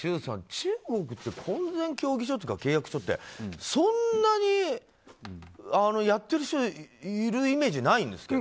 中国って婚前協議書というか契約書ってそんなにやってる人いるイメージないんですけど。